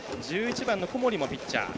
１１番の小森もピッチャー。